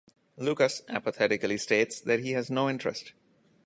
Lukas apathetically states that he has no interest.